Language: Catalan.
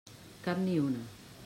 Cap ni una.